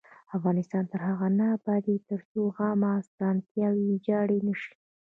افغانستان تر هغو نه ابادیږي، ترڅو عامه اسانتیاوې ویجاړې نشي.